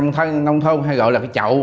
người ta hay gọi là cái chậu